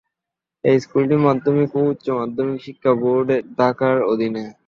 এই স্কুলটি মাধ্যমিক ও উচ্চমাধ্যমিক শিক্ষা বোর্ড, ঢাকা-র অধীনে।